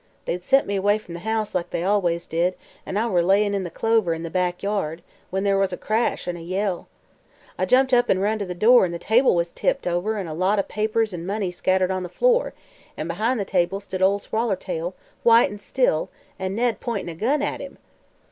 They'd sent me away from the house, like they always did, and I were layin' in the clover in the back yard, when there was a crash an' a yell. I jumped up an' run to the door, an' the table was tipped over an' a lot o' papers an' money scattered on the floor, an' behind the table stood Ol' Swallertail, white an' still, an' Ned point'n' a gun at him."